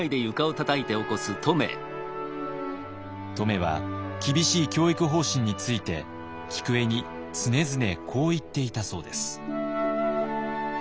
乙女は厳しい教育方針について菊栄に常々こう言っていたそうです。